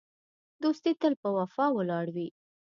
دوستي تل په وفا ولاړه وي.